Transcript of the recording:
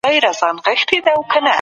دیني حقونه د ټولني د سولي بنسټ دی.